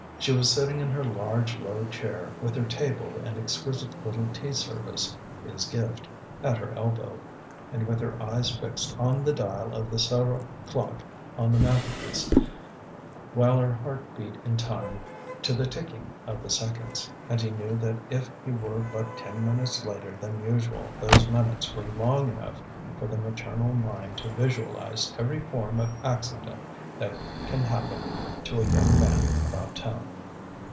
She was sitting in her large, low chair, with her table and exquisite little tea service his gift at her elbow, and with her eyes fixed on the dial of the Sèvres clock on the mantelpiece, while her heart beat in time to the ticking of the seconds, and he knew that if he were but ten minutes later than usual those minutes were long enough for the maternal mind to visualise every form of accident that can happen to a young man about town.